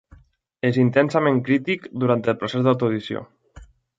Es intensament crític durant el procés d'autoedició.